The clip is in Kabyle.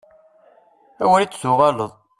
Awer i d-tuɣaleḍ!